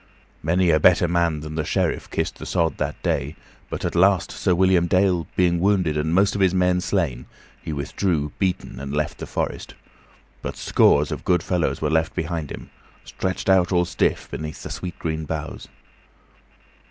Many a better man than the Sheriff kissed the sod that day, but at last, Sir William Dale being wounded and most of his men slain, he withdrew, beaten, and left the forest. But scores of good fellows were left behind him, stretched out all stiff beneath the sweet green boughs.